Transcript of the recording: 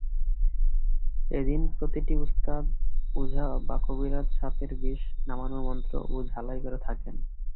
এদিন প্রতিটি ওস্তাদ, ওঝা বা কবিরাজ সাপের বিষ নামানোর মন্ত্র ও ঝালাই করে থাকেন।